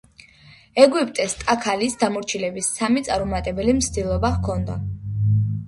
ეგვიპტეს ტაქალის დამორჩილების სამი წარუმატებელი მცდელობა ჰქონდა.